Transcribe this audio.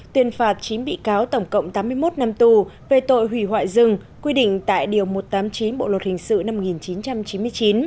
tuyên phạt chín bị cáo tổng cộng tám mươi một năm tù về tội hủy hoại rừng quy định tại điều một trăm tám mươi chín bộ luật hình sự năm một nghìn chín trăm chín mươi chín